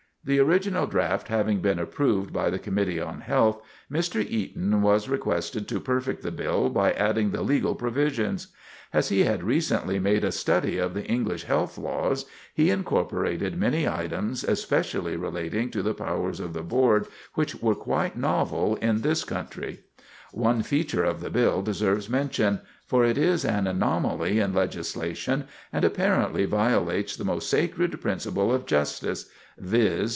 The original draft having been approved by the Committee on Health, Mr. Eaton was requested to perfect the bill by adding the legal provisions. As he had recently made a study of the English health laws, he incorporated many items especially relating to the powers of the Board which were quite novel in this country. [Sidenote: An Anomaly in Law] One feature of the bill deserves mention; for it is an anomaly in legislation and apparently violates the most sacred principle of justice; viz.